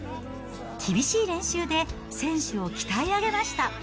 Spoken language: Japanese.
厳しい練習で選手を鍛え上げました。